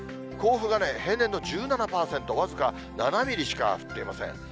甲府が平年の１７％、僅か７ミリしか降っていません。